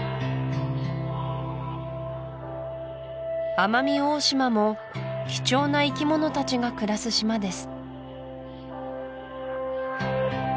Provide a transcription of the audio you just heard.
奄美大島も貴重な生き物たちが暮らす島です